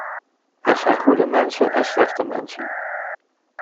Er zijn goede mensen en slechte mensen.